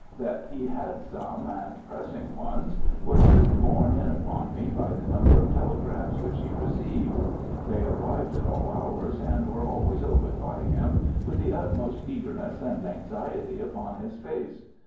That he had some, and pressing ones, was soon borne in upon me by the number of telegrams which he received. They arrived at all hours, and were always opened by him with the utmost eagerness and anxiety upon his face.